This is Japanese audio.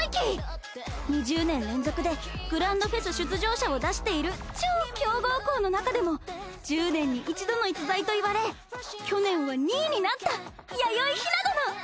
２０年連続でグランドフェス出場者を出している超強豪校の中でも１０年に一度の逸材と言われ去年は２位になった弥生ひな殿。